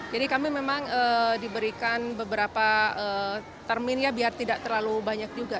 jadi kami memang diberikan beberapa termin biar tidak terlalu banyak juga